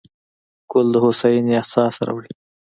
ګل د هوساینې احساس راوړي.